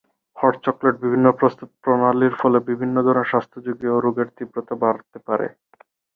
Hot chocolate বিভিন্ন প্রস্তুত প্রণালীর ফলে বিভিন্ন ধরনের স্বাস্থ্য ঝুঁকি ও রোগের তীব্রতা বাড়তে পারে।